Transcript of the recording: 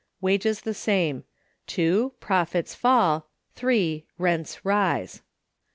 Wages the same. (2.) Profits fall. (3.) Rents rise.